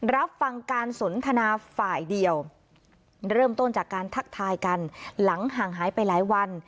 รับฟังการสนทนาฝ่ายเดียวเริ่มต้นจากการทักทายกันหลังห่างหายไปหลายวัน